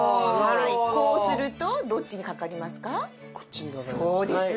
こうするとどっちにかかりますかそうです！